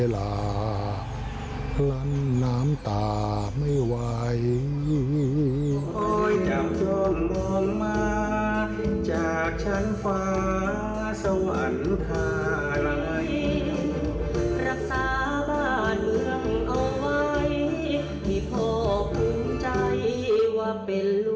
ให้พ่อภูมิใจว่าเป็นลูกพ่อ